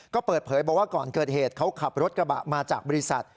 ก็เปิดเผยบอกว่าก่อนเกิดเหตุเขาขับรถกระบะมาจากบริษัท